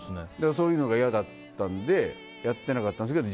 そういうのが嫌だったのでやっていなかったんですけど